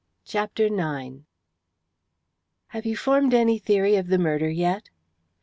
CHAPTER IX "Have you formed any theory of the murder yet?"